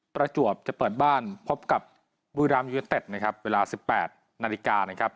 ประจวบจะเปิดบ้านพบกับเวียดรามย์ยูอเต็ดเวลา๑๘น